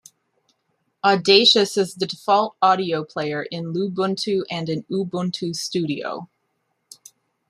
Audacious is the default audio player in Lubuntu and in Ubuntu Studio.